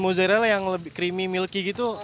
mozzarella yang lebih creamy milky gitu